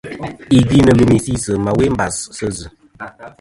Yì gvi nɨ̀ lùmì si sɨ ma we mbas sɨ zɨ.